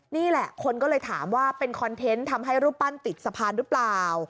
นี่แหละคนก็เลยถามว่าเป็นคอนเทนต์ทำให้รูปปั้นติดสะพานหรือเปล่า